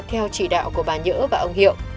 theo chỉ đạo của bà nhỡ và ông hiệu